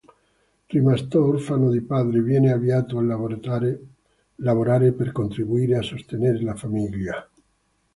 Rimasto orfano di padre, viene avviato al lavorare per contribuire a sostenere la famiglia.